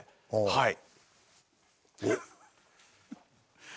はい。